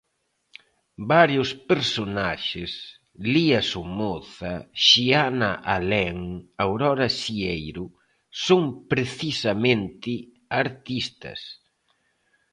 Varios personaxes –Lía Somoza, Xiana Alén, Aurora Sieiro– son precisamente artistas.